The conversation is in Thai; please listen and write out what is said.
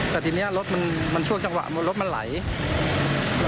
แต่ทีนี้รถมันช่วงจังหวะรถมันไหล